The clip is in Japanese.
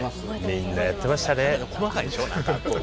みんなやってましたよね。